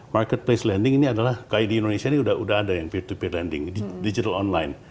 marketplace lending ini adalah kayak di indonesia ini sudah ada yang peer to peer lending digital online